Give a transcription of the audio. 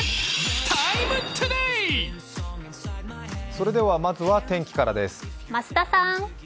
それでは、まずは天気からです。